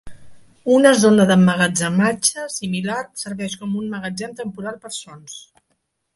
Una zona d'emmagatzematge similar serveix com un magatzem temporal per sons.